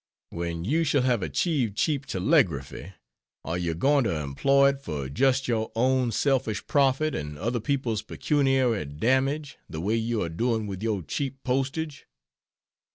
When you shall have achieved cheap telegraphy, are you going to employ it for just your own selfish profit and other people's pecuniary damage, the way you are doing with your cheap postage?